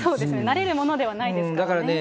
慣れるものではないですからね。